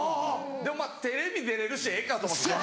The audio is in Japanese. でもテレビ出れるしええかと思って。